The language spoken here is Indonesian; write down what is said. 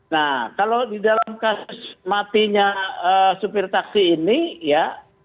nah kalau di dalam kasus matinya supir taksi ini ya